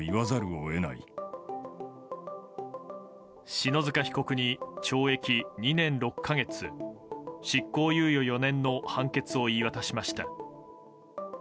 篠塚被告に懲役２年６か月執行猶予４年の判決を言い渡しました。